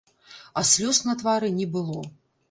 А слёз на твары не было.